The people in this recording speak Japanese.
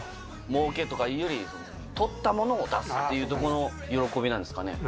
もうけとかいうより、取ったものを出すっていうところの喜びなんですかね？